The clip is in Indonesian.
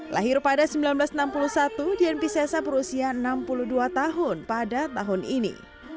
lahir pada seribu sembilan ratus enam puluh satu dian piscesa berusia enam puluh dua tahun pada tahun ini